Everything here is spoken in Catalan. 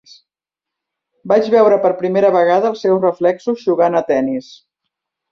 Vaig veure per primera vegada els seus reflexos jugant a tennis.